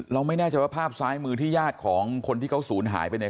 เราไม่แน่ใจว่าภาพซ้ายมือที่ญาติของคนที่เขาศูนย์หายไปเนี่ย